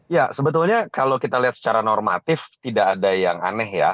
ya sebetulnya kalau kita lihat secara normatif tidak ada yang aneh ya